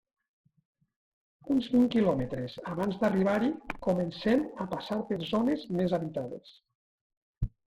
Uns vint quilòmetres abans d'arribar-hi comencem a passar per zones més habitades.